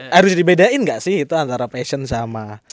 harus dibedain gak sih itu antara passion sama